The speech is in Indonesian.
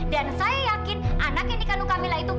dan saya yakin anak yang dikandung kami lah itu